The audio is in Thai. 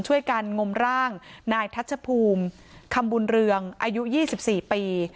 การงมร่างนายทัชภูมิคำบุญเรืองอายุ๒๔ปี